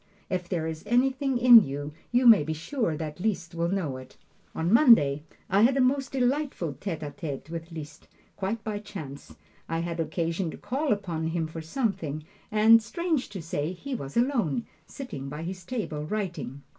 If there is anything in you, you may be sure that Liszt will know it. On Monday I had a most delightful tete a tete with Liszt, quite by chance. I had occasion to call upon him for something, and strange to say, he was alone, sitting by his table writing.